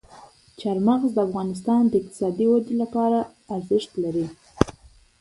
چار مغز د افغانستان د اقتصادي ودې لپاره ارزښت لري.